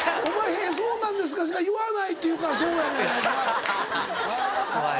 「へぇそうなんですか」しか言わないって言うからそうなんのやないかい。